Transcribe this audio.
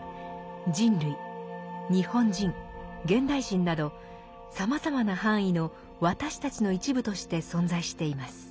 人類日本人現代人などさまざまな範囲の「私たち」の一部として存在しています。